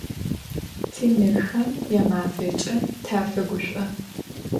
Tinıxem yamafeç'e tafeguş'o.